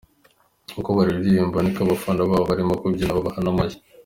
Uko baririmba niko abafana babo barimo kubyina babaha n'amashyi.